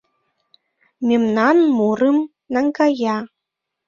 Мемнан мурым наҥгая.